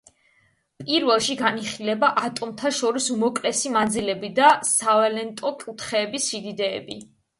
პირველში განიხილება ატომთა შორის უმოკლესი მანძილები და სავალენტო კუთხეების სიდიდეები.